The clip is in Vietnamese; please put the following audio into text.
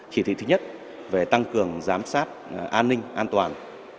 chỉ thị thứ nhất về tăng cường giám sát an ninh an toàn